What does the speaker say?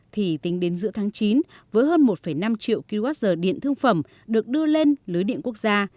thì tính đến giữa tháng chín với hơn một năm triệu kwh điện thương phẩm được đưa lên lưới điện quốc gia